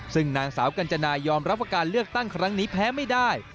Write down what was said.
ซึ่งนางสาวกัญจนายอมรับว่าการเลือกตั้งครั้งนี้แพ้ไม่ได้